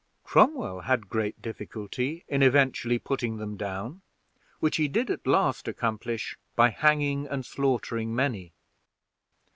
Cromwell had great difficulty in eventually putting them down, which he did at last accomplish by hanging and slaughtering many.